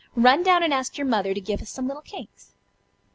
Run down and ask your mother to give us some little cakes."